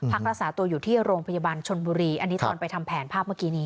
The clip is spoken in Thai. รักษาตัวอยู่ที่โรงพยาบาลชนบุรีอันนี้ตอนไปทำแผนภาพเมื่อกี้นี้